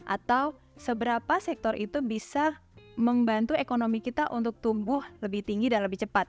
atau seberapa sektor itu bisa membantu ekonomi kita untuk tumbuh lebih tinggi dan lebih cepat